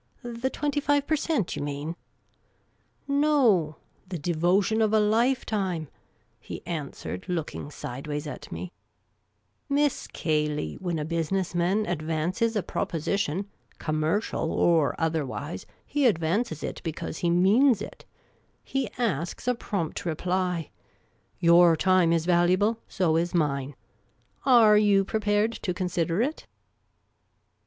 " The twenty five per cent., you mean ?"•" No, the de votion of a lifetime," he answered, looking sideways at me. " Miss Cayley, when a business man ad vances a proposition, commercial or otherwise, he advances HIS OI'KN ADMIRAIION WAS GKITINT. QUITE EMBARRASSI'^O. it because he means it. He asks a prompt repl}'. Your time is valuable. So is mine. Arc you prepared to consider it?"